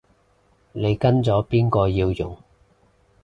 你跟咗邊個要用